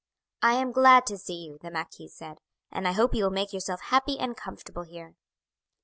"I am glad to see you," the marquis said; "and I hope you will make yourself happy and comfortable here."